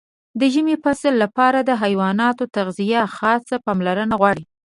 د ژمي فصل لپاره د حیواناتو تغذیه خاصه پاملرنه غواړي.